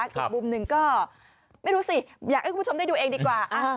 อีกมุมหนึ่งก็ไม่รู้สิอยากให้คุณผู้ชมได้ดูเองดีกว่า